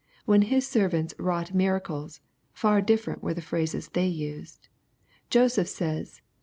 When His servants wrought miracles, far difterent were the phrases they used. Joseph says.